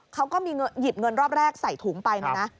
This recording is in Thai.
เขาก็ยิบเงินรอบแรกใส่ถุงไปนะ